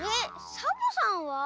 サボさんは？